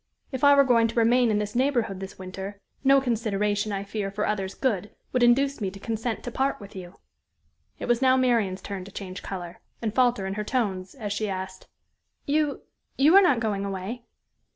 if I were going to remain in this neighborhood this winter, no consideration, I fear, for others' good, would induce me to consent to part with you." It was now Marian's turn to change color, and falter in her tones, as she asked: "You you are not going away?"